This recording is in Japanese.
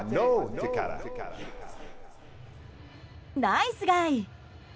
ナイスガイ！